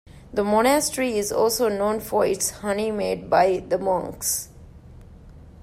The monastery is also known for its honey made by the monks.